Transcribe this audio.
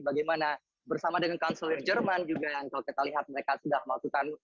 bagaimana bersama dengan kanselir jerman juga yang kalau kita lihat mereka sudah melakukan